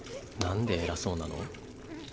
なんで偉そうなの？